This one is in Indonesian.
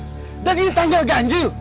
bukankah ini tanggal ganju